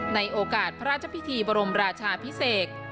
ในโอกาสพระราชพิธีบรมราชาพิเศษ